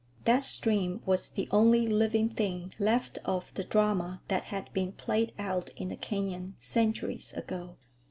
That stream was the only living thing left of the drama that had been played out in the canyon centuries ago.